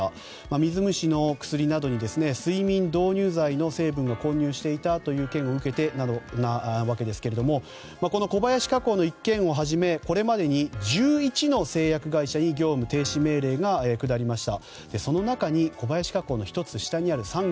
水虫の薬などに睡眠導入剤の成分が混入していたという件なんですけどもこの小林化工の一件をはじめこれまでに１１の製薬会社に業務停止命令が下りました。